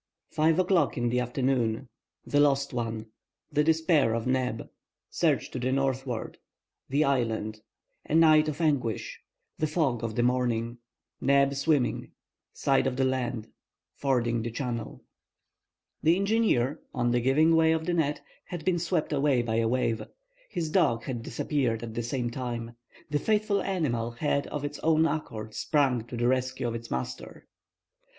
FIVE O'CLOCK IN THE AFTERNOON—THE LOST ONE—THE DESPAIR OF NEB—SEARCH TO THE NORTHWARD—THE ISLAND—A NIGHT OF ANGUISH—THE FOG OF THE MORNING—NEB SWIMMING—SIGHT OF THE LAND—FORDING THE CHANNEL. The engineer, on the giving way of the net, had been swept away by a wave. His dog had disappeared at the same time. The faithful animal had of its own accord sprung to the rescue of its master.